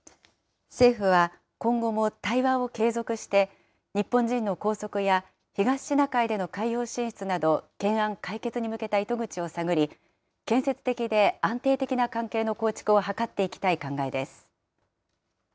政府は、今後も対話を継続して、日本人の拘束や、東シナ海での海洋進出など懸案解決に向けた糸口を探り、建設的で安定的な関係の構築を図っていきたい考えです。